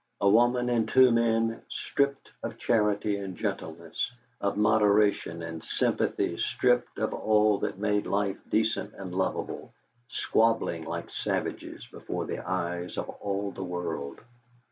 A woman and two men stripped of charity and gentleness, of moderation and sympathy stripped of all that made life decent and lovable, squabbling like savages before the eyes of all the world.